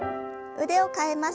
腕を替えます。